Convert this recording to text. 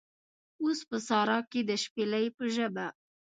اوس په سارا کې د شپیلۍ په ژبه